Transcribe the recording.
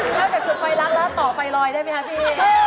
เล่าจากจุดไฟลักษณ์แล้วต่อไฟลอยได้ไหมครับพี่